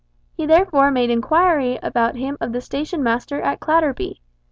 He therefore made inquiry about him of the station master at Clatterby.